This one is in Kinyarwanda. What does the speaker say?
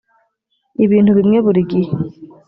ibintu bimwe buri gihe